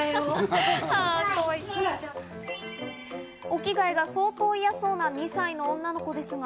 お着替えが相当嫌そうな２歳の女の子ですが。